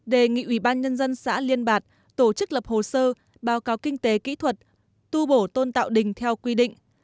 đề nghị ubnd xã liên bạc tổ chức lập hồ sơ báo cáo kinh tế kỹ thuật tu bổ tôn tạo đình theo quy định